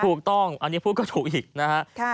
ถูกต้องอันนี้พูดก็ถูกอีกนะฮะ